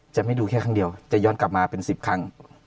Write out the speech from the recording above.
จะไม่ดูแค่ครั้งเดียวแต่ย้อนกลับมาเป็น๑๐ครั้ง